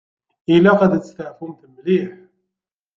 Ilaq ad testeɛfumt mliḥ.